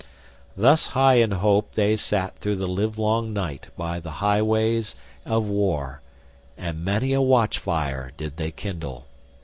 Thus high in hope they sat through the livelong night by the highways of war, and many a watchfire did they kindle.